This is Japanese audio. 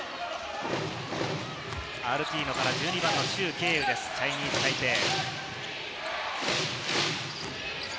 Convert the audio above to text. アルティーノから１２番のシュウ・ケイウです、チャイニーズ・タイペイ。